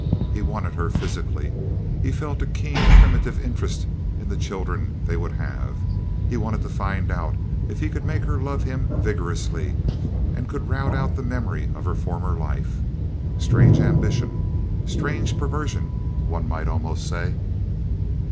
He wanted her physically. He felt a keen, primitive interest in the children they would have. He wanted to find out if he could make her love him vigorously and could rout out the memory of her former life. Strange ambition. Strange perversion, one might almost say.